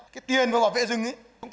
cái tiền bảo vệ rừng